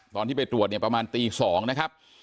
ตอนที่ไปตรวจเนี่ยประมาณตี๒นะครับ